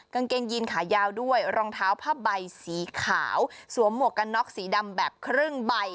กางเกงยีนขายาวด้วยรองเท้าผ้าใบสีขาวสวมหมวกกันน็อกสีดำแบบครึ่งใบ